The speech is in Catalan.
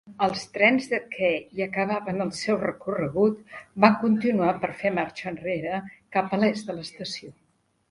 Els trens de que hi acabaven el seu recorregut van continuar per fer marxa enrere cap a l'est de l'estació.